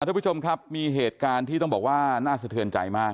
ทุกผู้ชมครับมีเหตุการณ์ที่ต้องบอกว่าน่าสะเทือนใจมาก